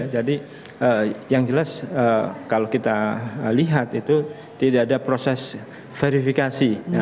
jadi yang jelas kalau kita lihat itu tidak ada proses verifikasi